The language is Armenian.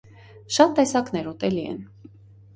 Շատ տեսակներ ուտելի են։